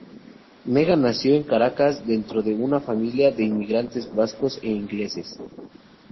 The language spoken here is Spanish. Megan nació en Caracas dentro de una familia de inmigrantes vascos e ingleses.